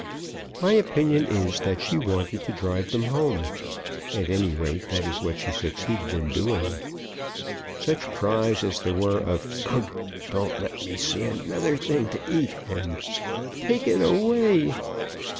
My opinion is that she wanted to drive them home. At any rate, that is what she succeeded in doing. Such cries as there were of "Ugh! Don't let me see another thing to eat!" and "Take it away!"